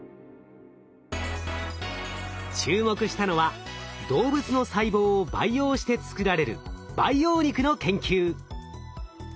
注目したのは動物の細胞を培養して作られる培養肉の研究。